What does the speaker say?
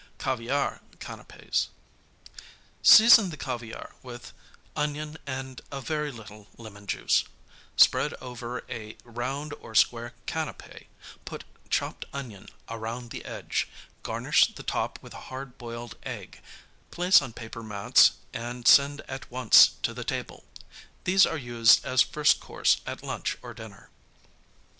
Caviar Canapķs Season the caviar with onion and a very little lemon juice; spread over a round or square canapķ, put chopped onion around the edge, garnish the top with a hard boiled egg; place on paper mats and send at once to the table. These are used as first course at lunch or dinner.